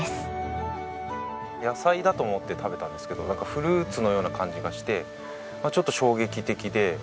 野菜だと思って食べたんですけどなんかフルーツのような感じがしてちょっと衝撃的で。